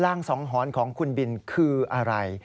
งสังหรณ์ของคุณบินคืออะไร